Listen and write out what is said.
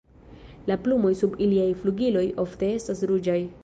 La plumoj sub iliaj flugiloj ofte estas ruĝaj.